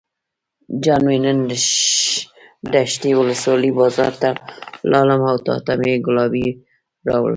جان مې نن دشټي ولسوالۍ بازار ته لاړم او تاته مې ګلابي راوړې.